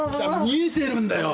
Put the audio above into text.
見えてるんだよ！